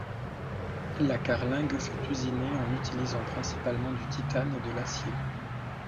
La carlingue fut usinée en utilisant principalement du titane et de l'acier.